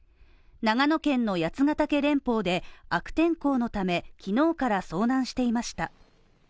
長野県の八ヶ岳連峰で悪天候のため、昨日から遭難していました。